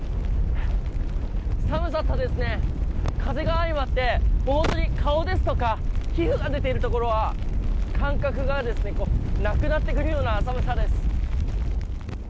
寒さと風が相まって、顔ですとか皮膚が出ているところは感覚がなくなってくるような寒さです。